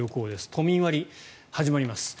都民割始まります。